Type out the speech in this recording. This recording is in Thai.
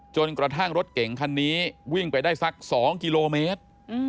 จนกระทั่งรถเก่งคันนี้วิ่งไปได้สัก๒กิโลเมตร